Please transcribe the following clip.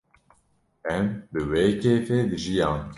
Em bi wê kêfê dijiyan